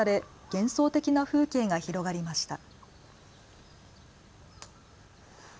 幻想的な風景が広がりました。